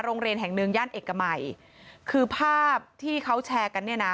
โรงเรียนแห่งหนึ่งย่านเอกมัยคือภาพที่เขาแชร์กันเนี่ยนะ